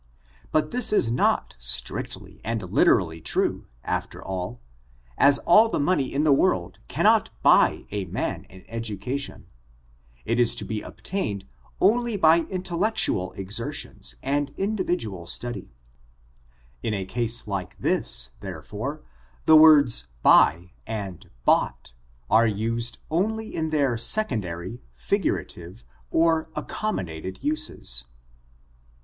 But this is not strictly and Uterally true after all, as all the money in the world cannot 6uy a man an education ; it is to be obtained only by iniettectual exerticms and in dividual study. In a case like this, therefore, the words buy and bought are used only in their second ary, figurative, or accommodated uses.